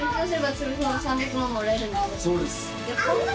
そうです。